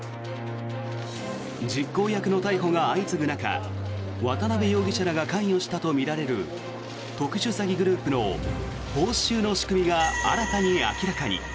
実行役の逮捕が相次ぐ中渡邉容疑者らが関与したとみられる特殊詐欺グループの報酬の仕組みが新たに明らかに。